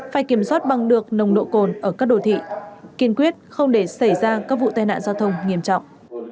phải kiểm soát bằng được nồng độ cồn ở các đồ thị kiên quyết không để xảy ra các vụ tai nạn giao thông nghiêm trọng